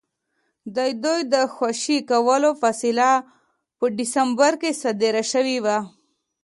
د دوی د خوشي کولو فیصله په ډسمبر کې صادره شوې وه.